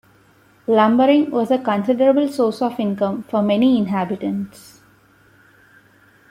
Lumbering was a considerable source of income for many inhabitants.